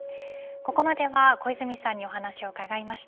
ここまでは小泉さんにお話を伺いました。